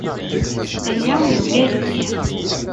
Aya yugar-iyi.